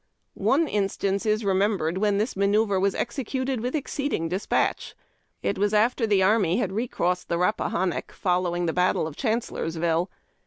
One instance is remend^ered when this manoeuvre was executed with exceeding despatch. It was after the army had recrossed the Rappahannock, following the battle of Chancellorsville.